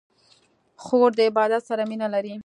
خور د عبادت سره مینه لري.